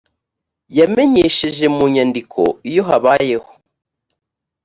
yamenyesheje mu nyandiko iyo habayeho